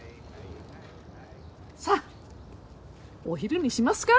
さあお昼にしますか。